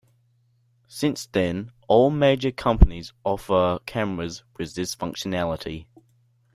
Since then all major companies offer cameras with this functionality.